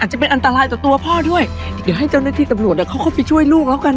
จะเป็นอันตรายต่อตัวพ่อด้วยเดี๋ยวให้เจ้าหน้าที่ตำรวจเขาเข้าไปช่วยลูกแล้วกัน